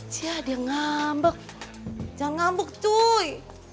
cia dia ngambek jangan ngambek cui